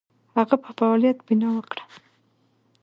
هغه په فعالیت بناء وکړه.